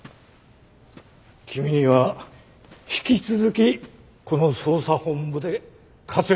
君には引き続きこの捜査本部で活躍してもらう！